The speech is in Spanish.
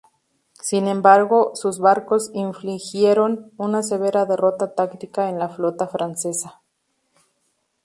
Sin embargo, sus barcos infligieron una severa derrota táctica en la flota francesa.